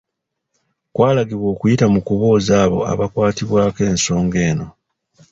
Kwalagibwa okuyita mu kubuuza abo abakwatibwako ensonga eno.